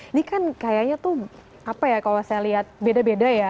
ini kan kayaknya tuh apa ya kalau saya lihat beda beda ya